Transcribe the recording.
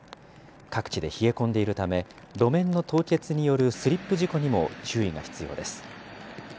各地で冷え込んでいるため、路面の凍結によるスリップ事故にも注意が必要です。